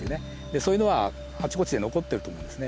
そういうのはあちこちで残っていると思うんですね。